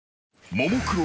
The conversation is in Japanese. ［ももクロ